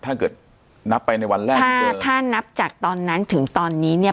ถ้าเกิดนับไปในวันแรกถ้าถ้านับจากตอนนั้นถึงตอนนี้เนี่ย